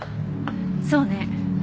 そうね。